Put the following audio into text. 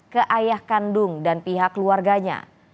ke ayah kandung dan pihak keluarganya